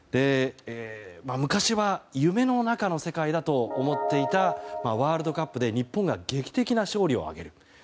昔は夢の中の世界だと思っていたワールドカップで日本が劇的な勝利を挙げる。